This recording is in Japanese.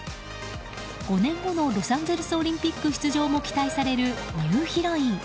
５年後のロサンゼルスオリンピック出場も期待されるニューヒロイン。